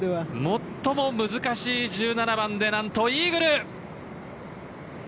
最も難しい１７番で何とイーグル！